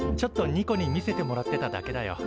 ニコに見せてもらってただけだよ。